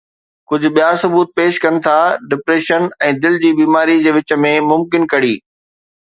ڪجهه ٻيا ثبوت پيش ڪن ٿا ڊپريشن ۽ دل جي بيماري جي وچ ۾ ممڪن ڪڙي